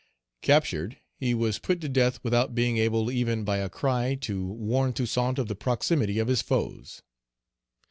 Captured, he was put to death without being able even by a cry to warn Toussaint of the proximity of his foes.